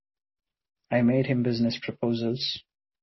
I made him business proposals.